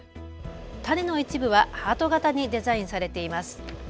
種の一部はハート型にデザインされています。